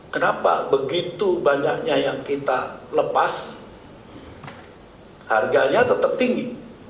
kenapa begitu banyaknya yang kita lepas harganya tetap tinggi